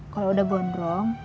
kalau udah bonrong